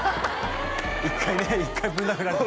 １回ね１回ぶん殴られた